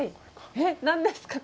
えっ何ですかこれ。